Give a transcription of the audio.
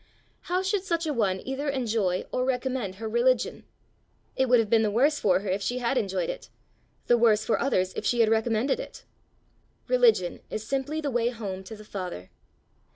How should such a one either enjoy or recommend her religion? It would have been the worse for her if she had enjoyed it the worse for others if she had recommended it! Religion is simply the way home to the Father.